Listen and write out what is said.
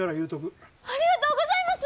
ありがとうございます！